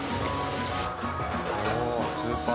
おおスーパー。